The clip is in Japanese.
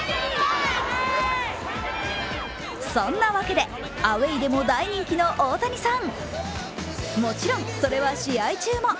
そんなわけで、アウェーでも大人気の大谷さん。もちろん、それは試合中も。